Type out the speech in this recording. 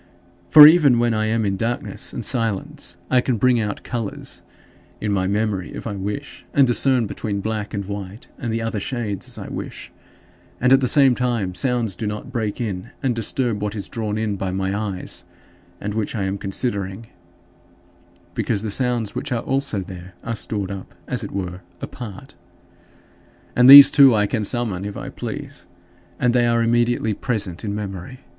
For even when I am in darkness and silence I can bring out colors in my memory if I wish, and discern between black and white and the other shades as I wish; and at the same time, sounds do not break in and disturb what is drawn in by my eyes, and which I am considering, because the sounds which are also there are stored up, as it were, apart. And these too I can summon if I please and they are immediately present in memory.